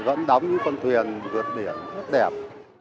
vẫn đóng những con thuyền vượt biển rất đẹp